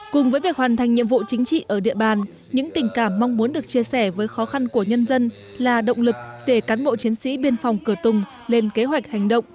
cùng với việc hoàn thành nhiệm vụ chính trị ở địa bàn những tình cảm mong muốn được chia sẻ với khó khăn của nhân dân là động lực để cán bộ chiến sĩ biên phòng cửa tùng lên kế hoạch hành động